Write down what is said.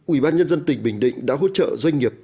ubnd tỉnh bình định đã hỗ trợ doanh nghiệp